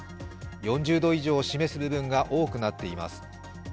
４０度以上を示す部分が多くなっています。